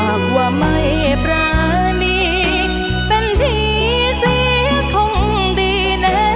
หากว่าไม่ปรานีเป็นผีเสียคงดีแน่